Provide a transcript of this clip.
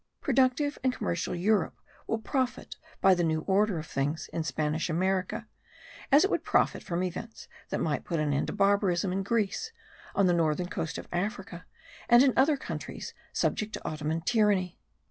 Productive and commercial Europe will profit by the new order of things in Spanish America, as it would profit from events that might put an end to barbarism in Greece, on the northern coast of Africa and in other countries subject to Ottoman tyranny.